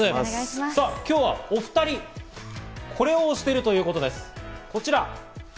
さぁ今日はお２人、これを推してるということです、こちら！